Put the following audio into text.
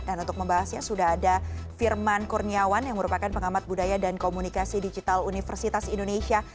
dan untuk membahasnya sudah ada firman kurniawan yang merupakan pengamat budaya dan komunikasi digital universitas indonesia